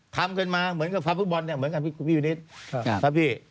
ทำมาเหมือนกับพี่มิถ